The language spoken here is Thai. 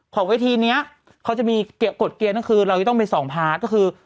ของเวทีนี้เขาจะมีกฎเกียร์นั่นคือเราจะต้องไป๒พาร์ทก็คือ